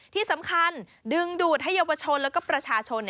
ที่สำคัญดึงดูดให้เยาวชนแล้วก็ประชาชน